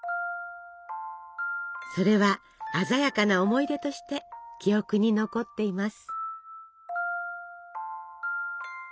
それは鮮やかな思い出として記憶に残っています。